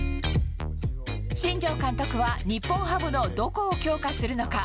新庄監督は日本ハムのどこを強化するのか？